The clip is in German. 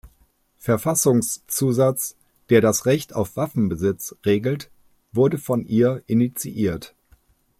Verfassungszusatz, der das Recht auf Waffenbesitz regelt, wurde von ihr initiiert.